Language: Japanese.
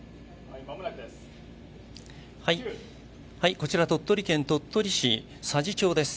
こちら鳥取県鳥取市佐治町です。